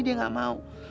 dia gak mau